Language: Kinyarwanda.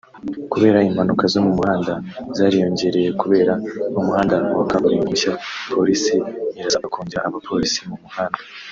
Kubera impanuka zo mu muhanda zariyongereye kubera umuhanda wa kaburimbo mushya ; polisi irasabwa kongera apolisi mu muhanda